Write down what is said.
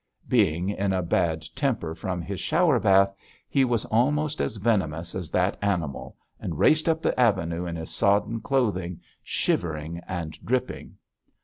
Being in a bad temper from his shower bath, he was almost as venomous as that animal, and raced up the avenue in his sodden clothing, shivering and dripping.